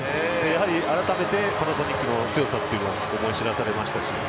あらためてパナソニックの強さを思い知らされました。